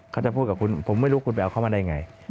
เขาจะพูดกับคุณผมไม่รู้คุณไปเอาเขามาได้ไง